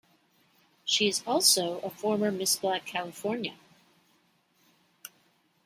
She is also a former Miss Black California.